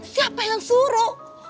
siapa yang suruh